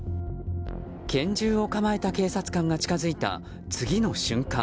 拳銃を構えた警察官が近づいた次の瞬間。